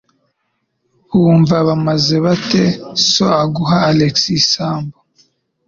Bumva bameze bate so guha Alex isambu?